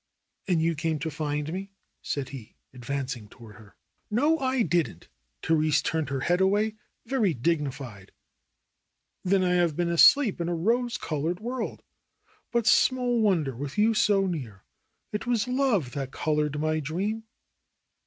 "And you came to find me?" said he, advancing to ward her. "No, I didn't!" Therese turned her head away, very dignified. "Then I have been asleep in a rose colored world. But small wonder, with you so near ! It was love that colored my dream."